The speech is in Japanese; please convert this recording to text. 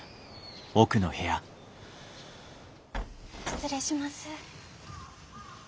・失礼します。